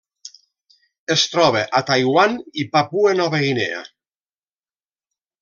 Es troba a Taiwan i Papua Nova Guinea.